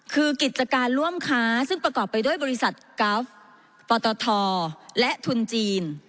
คือกิจการร่วมค้าซึ่งประกอบไปด้วยบริษัทกราฟปตทและทุนจีน